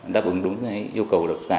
đáp ứng đúng cái yêu cầu độc giả